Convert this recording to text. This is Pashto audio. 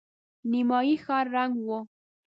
نيمايي ښار ړنګ و.